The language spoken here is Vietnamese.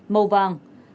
mức nguy cơ trung bình